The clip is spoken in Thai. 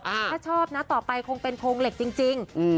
อ่าถ้าชอบนะต่อไปคงเป็นโพงเหล็กจริงจริงอืม